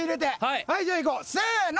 はいじゃあいこうせの。